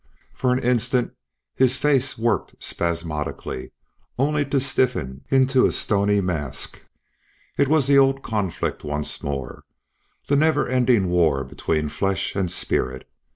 For an instant his face worked spasmodically, only to stiffen into a stony mask. It was the old conflict once more, the never ending war between flesh and spirit.